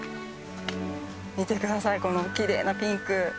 見て下さいこのきれいなピンク。